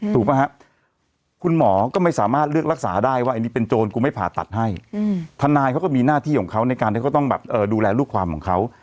ถูกป่ะฮะคุณหมอก็ไม่สามารถเลือกรักษาได้ว่า